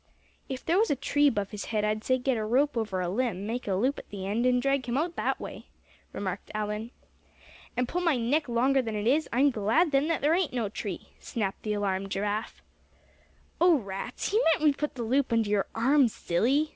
"If there was a tree above his head I'd say get a rope over a limb, make a loop at the end, and drag him out that way," remarked Allan. "And pull my neck longer than it is; I'm glad then there ain't no tree!" snapped the alarmed Giraffe. "Oh! rats, he meant we'd put the loop under your arms, silly!"